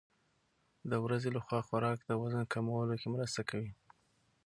د ورځې لخوا خوراک د وزن کمولو کې مرسته کوي.